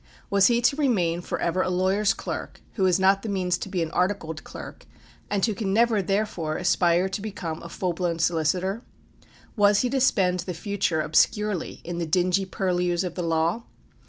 Was he to remain for ever a lawyer's clerk who has not the means to be an articled clerk, and who can never, therefore, aspire to become a full blown solicitor? Was he to spend the future obscurely in the dingy purlieus of the law?